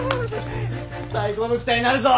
最高の機体になるぞ！